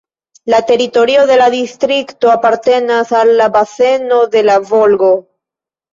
La teritorio de la distrikto apartenas al la baseno de la Volgo.